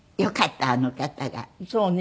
そうね。